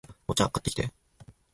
お茶、買ってきて